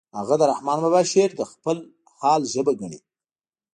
هغه د رحمن بابا شعر د خپل حال ژبه ګڼي